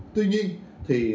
tuy nhiên thì